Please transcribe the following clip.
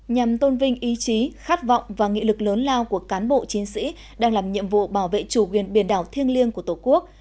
nhằm tôn vinh ý chí khát vọng và nghị lực lớn lao của cán bộ chiến sĩ đang làm nhiệm vụ bảo vệ chủ quyền biển đảo thiêng liêng của tổ quốc